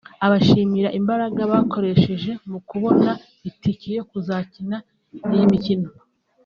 Abashimira imbaraga bakoresheje mu kubona itike yo kuzakina iyi mikino